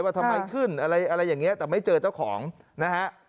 ว่าทำไมขึ้นอะไรอย่างนี้แต่ไม่เจอเจ้าของนะฮะ